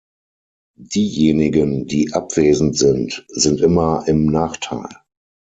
Diejenigen, die abwesend sind, sind immer im Nachteil.